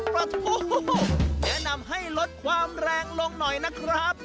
ประทูแนะนำให้ลดความแรงลงหน่อยนะครับ